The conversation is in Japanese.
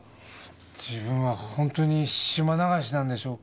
自分はホントに島流しなんでしょうか。